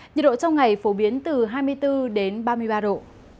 nhiệt độ trong ngày phổ biến từ hai mươi bốn đến ba mươi ba độ